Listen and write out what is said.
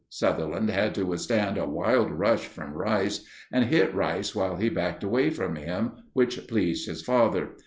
Sutherland had to withstand a wild rush from Rice and hit Rice while he backed away from him, which pleased his father.